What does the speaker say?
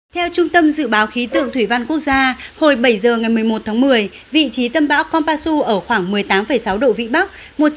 theo trung tâm dự báo khí tượng thủy văn quốc gia hồi bảy giờ ngày một mươi một tháng một mươi vị trí tâm bão conpasu ở khoảng một mươi tám sáu độ vĩ bắc